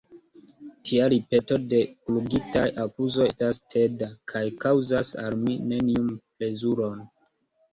Tia ripeto de gurditaj akuzoj estas teda, kaj kaŭzas al mi neniun plezuron.